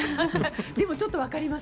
でもちょっと分かります。